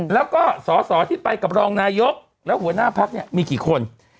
แล้วก็สอสอที่ไปกับรองนายกและหัวหน้าพักเนี่ยมีกี่คน